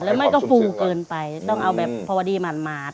แล้วมันก็ฟูเกินไปต้องเอาแบบพอดีหมาด